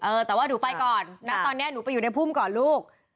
แต่ว่าหนูไปก่อนนะตอนนี้หนูไปอยู่ในพุ่มก่อนลูก